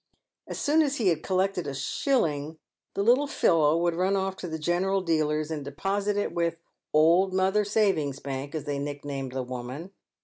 As soon as he had collected a shilling, the little fellow would run off to the general dealer's and deposit it with " old Mother Savings bank," as they nicknamed the woman.